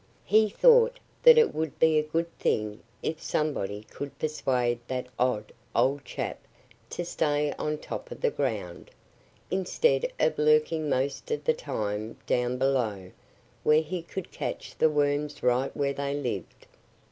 He thought that it would be a good thing if somebody could persuade that odd, old chap to stay on top of the ground, instead of lurking most of the time down below where he could catch the worms right where they lived.